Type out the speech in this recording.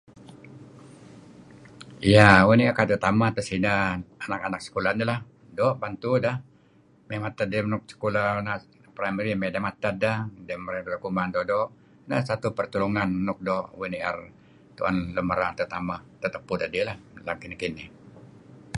Yah uih nier kayu' tetameh tsineh anak-anak sekoah nih lah doo' bantu deh. May mated nuk sekolah primary may mated dah ideh marey kuman dah doo'-doo' . Nah satu pertulungan nuk oo' uih nier lun merar tetameh tetapuh dedih leh paad nekinih.